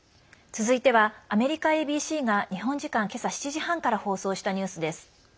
続いてはアメリカＡＢＣが日本時間、今朝７時半から放送したニュースです。